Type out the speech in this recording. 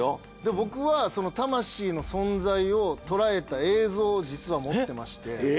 僕はその魂の存在をとらえた映像を実は持ってまして。